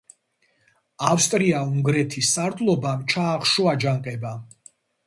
ავსტრია-უნგრეთის სარდლობამ ჩაახშო აჯანყება.